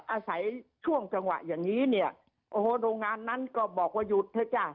อาศัยช่วงจังหวะอย่างนี้เนี่ยโอ้โหโรงงานนั้นก็บอกว่าหยุดเถอะจ้ะ